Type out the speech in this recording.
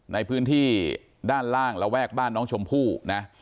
ในพื้นที่ด้านล่างระแวกบ้านน้องชมพู่นะ